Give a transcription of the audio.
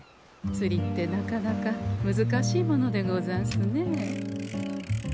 釣りってなかなか難しいものでござんすねえ。